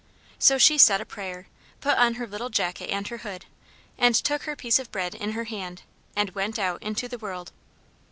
So she said a prayer, put on her little jacket and her hood, and took her piece of bread in her hand, and went out into the world.